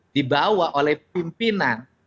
dibawa oleh pimpinan